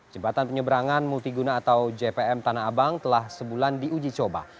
jembatan penyeberangan multiguna atau jpm tanah abang telah sebulan diuji coba